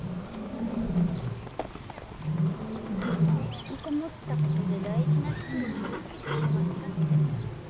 ひきこもったことで大事な人を傷つけてしまったって。